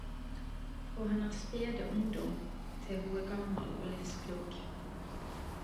Frå hennar spede ungdom til ho er gamal og livsklok.